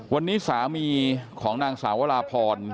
วันนี้สามีของนางสาวราพร